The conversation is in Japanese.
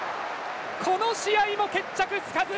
この試合も決着つかず！